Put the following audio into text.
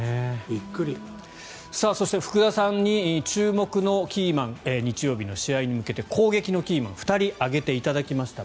そして福田さんに注目のキーマン日曜日の試合に向けて攻撃のキーマンを２人挙げていただきました。